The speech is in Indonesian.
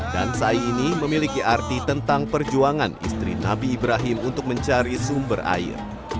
dan syai ini memiliki arti tentang perjuangan istri nabi ibrahim untuk mencari sumber air